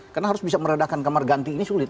karena harus bisa meredakan kamar ganti ini sulit